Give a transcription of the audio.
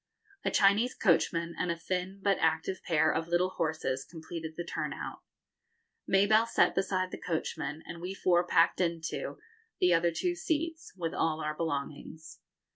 A Chinese coachman and a thin but active pair of little horses completed the turn out. Mabelle sat beside the coachman, and we four packed into, the other two seats, with all our belongings.